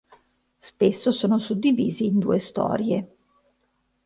Spesso sono suddivisi in due storie.